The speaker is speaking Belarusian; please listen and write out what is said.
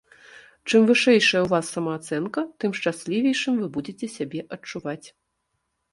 Чым вышэйшая ў вас самаацэнка, тым шчаслівейшым вы будзеце сябе адчуваць.